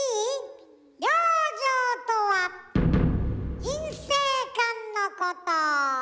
養生とは人生観のこと。